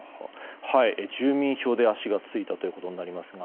住民票で足がついたということになりますが。